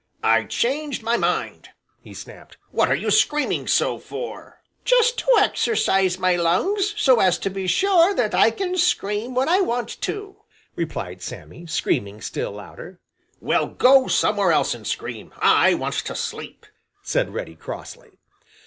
"I changed my mind!" he snapped. "What are you screaming so for?" "Just to exercise my lungs, so as to be sure that I can scream when I want to," replied Sammy, screaming still louder. "Well, go somewhere else and scream; I want to sleep," said Reddy crossly.